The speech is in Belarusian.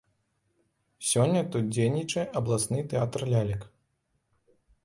Сёння тут дзейнічае абласны тэатр лялек.